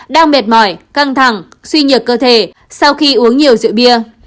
đang mệt mỏi căng thẳng suy nhược cơ thể sau khi uống nhiều rượu bia